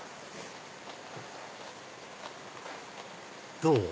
どう？